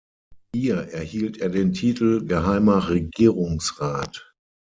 Hier erhielt er den Titel „"Geheimer Regierungsrat"“.